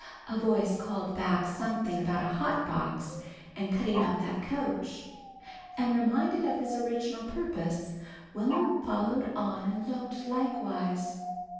A voice called back something about a hot box and cutting out that coach, and reminded of his original purpose, Will'm followed on and looked, likewise.